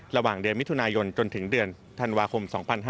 ระหว่างเดือนมิถุนายนจนถึงเดือนธันวาคม๒๕๕๙